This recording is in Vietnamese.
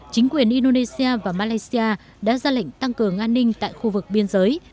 chính quyền indonesia và malaysia đã ra lệnh tăng cường an ninh tại khu vực biên giới